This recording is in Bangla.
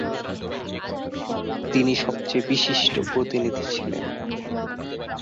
তিনি সবচেয়ে বিশিষ্ট প্রতিনিধি ছিলেন।